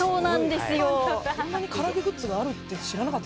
こんなにから揚げグッズがあるって知らなかった。